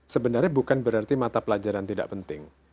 sebenarnya bukan berarti mata pelajaran tidak penting